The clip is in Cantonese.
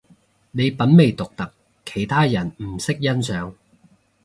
你品味獨特，其他人唔識欣賞